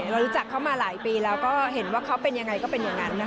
รู้จักเขามาหลายปีแล้วก็เห็นว่าเขาเป็นยังไงก็เป็นอย่างนั้นนะคะ